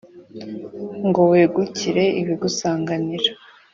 ngo wegukire ibigusanganira